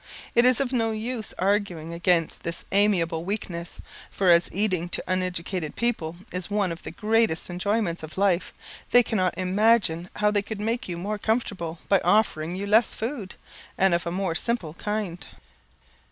It is of no use arguing against this amiable weakness, for as eating to uneducated people is one of the greatest enjoyments of life, they cannot imagine how they could make you more comfortable, by offering you less food, and of a more simple kind.